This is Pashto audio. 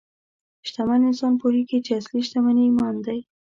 شتمن انسان پوهېږي چې اصلي شتمني ایمان دی.